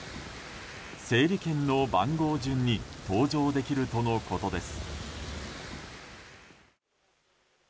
整理券の番号順に搭乗できるとのことです。